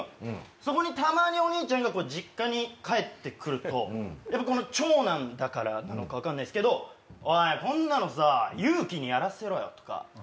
そこにたまにお兄ちゃんが実家に帰って来ると長男だからなのか分かんないっすけど「おいこんなのさ有輝にやらせろよ」とか。